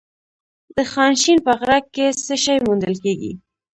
د خانشین په غره کې څه شی موندل کیږي؟